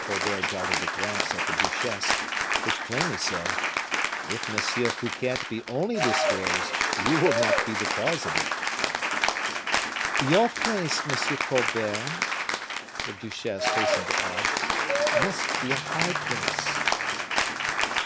Colbert darted a glance at the duchesse, which plainly said: "If M. Fouquet be only disgraced, you will not be the cause of it." "Your place, M. Colbert," the duchesse hastened to say, "must be a high place.